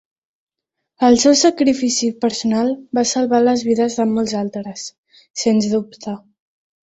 El seu sacrifici personal va salvar les vides de molts altres, sens dubte.